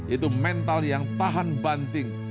itu mental yang tahan banting